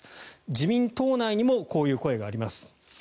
自民党内にもこういう声があります。